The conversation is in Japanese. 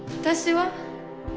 私は？